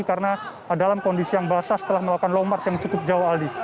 karena dalam kondisi yang basah setelah melakukan lompat yang cukup jauh